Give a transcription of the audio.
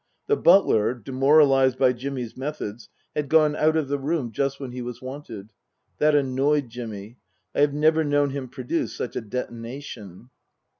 The butler, demoralized by Jimmy's methods, had gone out of the room just when he was wanted. That annoyed Jimmy. I have never known him produce such a detonation.